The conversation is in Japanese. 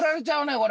これ。